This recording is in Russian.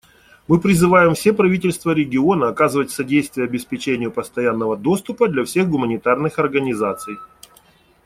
Мы призывам все правительства региона оказывать содействие обеспечению постоянного доступа для всех гуманитарных организаций.